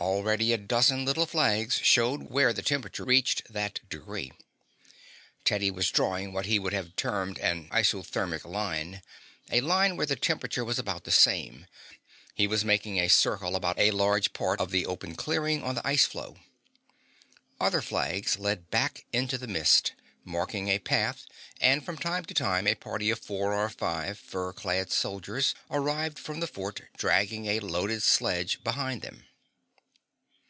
Already a dozen little flags showed where the temperature reached that degree. Teddy was drawing what he would have termed an isothermal line a line where the temperature was the same. He was making a circle about a large part of the open clearing on the ice floe. Other flags led back into the mist, marking a path, and from time to time a party of four or five fur clad soldiers arrived from the fort, dragging a loaded sledge behind them.